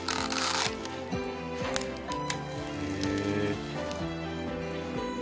へえ。